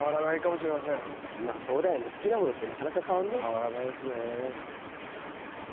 変わらないですね。